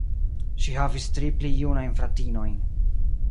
Ŝi havis tri pli junajn fratinojn.